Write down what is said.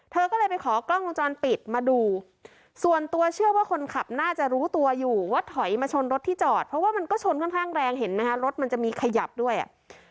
เธอก็เลยไปขอกล้องวงจรปิดมาดูส่วนตัวเชื่อว่าคนขับน่าจะรู้ตัวอยู่ว่าถอยมาชนรถที่จอดเพราะว่ามันก็ชนค่อนข้างแรงเห็นไหมคะรถมันจะมีขยับด้วยอ่ะ